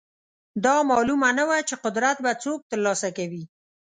دا معلومه نه وه چې قدرت به څوک ترلاسه کوي.